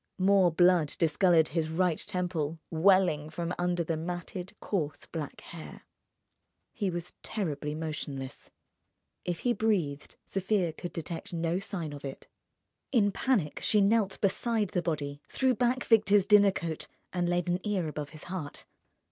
More blood discoloured his right temple, welling from under the matted, coarse black hair. He was terribly motionless. If he breathed, Sofia could detect no sign of it. In panic she knelt beside the body, threw back Victor's dinner coat, and laid an ear above his heart.